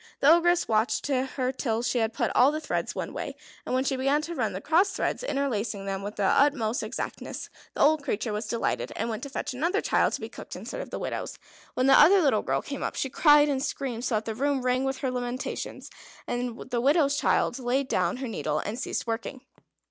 The Ogress watched her till she had put all the threads one way, and when she began to run the cross threads, interlacing them with the utmost exactness, the old creature was delighted, and went to fetch another child to be cooked instead of the widow's. When the other little girl came up, she cried and screamed so that the room rang with her lamentations, and the widow's child laid down her needle and ceased working.